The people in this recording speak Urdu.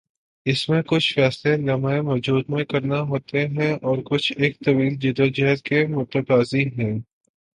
اس میں کچھ فیصلے لمحہ موجود میں کرنا ہوتے ہیں اور کچھ ایک طویل جدوجہد کے متقاضی ہیں۔